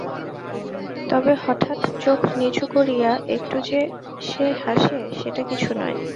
তবে, হঠাৎ চোখ নিচু করিয়া একটু যে সে হাসে সেটা কিছু নয়।